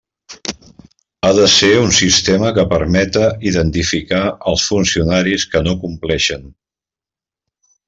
Ha de ser un sistema que permeta identificar els funcionaris que no compleixen.